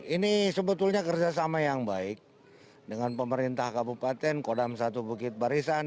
ini sebetulnya kerjasama yang baik dengan pemerintah kabupaten kodam satu bukit barisan